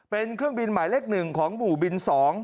เป็นเครื่องบินหมายเลข๑ของหมู่บิน๒